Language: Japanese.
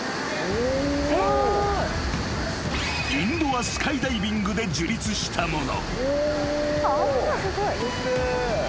［インドア・スカイダイビングで樹立したもの］